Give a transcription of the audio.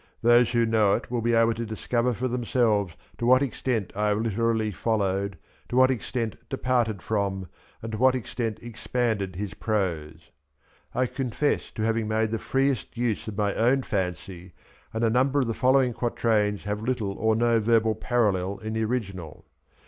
Those who know it will be able to discover for themselves to what extent I have literally followed, to what extent departed from, and to what extent expanded his prose, I confess to having made the freest use of my own fancy, and a number of the following quatrains have little or no verbal parallel in the original.